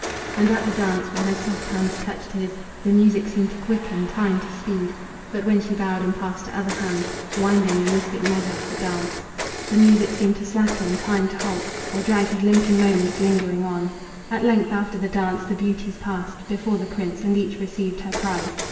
And at the dance, when her soft hands touched his The music seemed to quicken, time to speed; But when she bowed and passed to other hands, Winding the mystic measure of the dance, The music seemed to slacken, time to halt, Or drag his limping moments lingering on. At length, after the dance, the beauties passed Before the prince, and each received her prize.